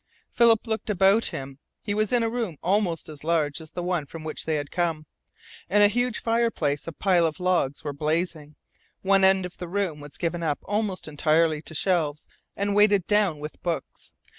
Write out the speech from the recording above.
Philip looked about him. He was in a room almost as large as the one from which they had come. In a huge fireplace a pile of logs were blazing. One end of the room was given up almost entirely to shelves and weighted down with books.